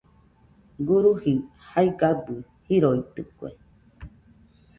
Guruji jaigabɨ jiroitɨkue.